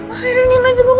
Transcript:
akhirnya nino jenguk aku ma